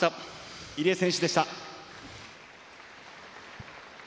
入江選手でした。